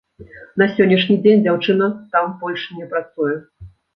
На сённяшні дзень дзяўчына там больш не працуе.